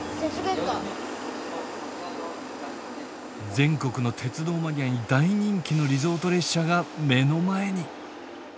全国の鉄道マニアに大人気のリゾート列車が目の前に！